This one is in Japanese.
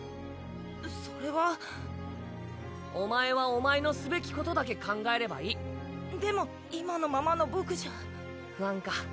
それはお前はお前のすべきことだけ考えればでも今のままの僕じゃ不安か。